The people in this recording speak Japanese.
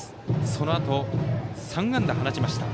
そのあと、３安打を放ちました。